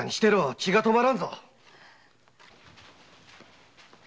血が止まらんぞ。